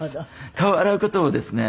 顔洗う事をですね